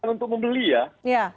untuk membeli ya